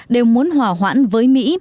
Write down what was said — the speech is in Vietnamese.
đều muốn hòa hoãn với mỹ